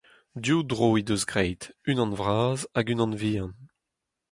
Div dro he deus graet, unan vras hag unan vihan.